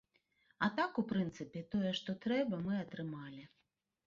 А так, у прынцыпе, тое, што трэба, мы атрымалі.